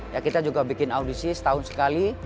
ya kita juga bikin audisi setahun sekali